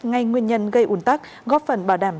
ngay nguyên nhân gây ủn tắc góp phần bảo đảm